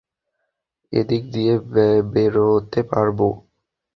এদিক দিয়ে বেরোতে পারবো।